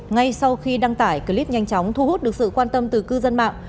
ngay sau khi đăng tải clip nhanh chóng thu hút được sự quan tâm từ cư dân mạng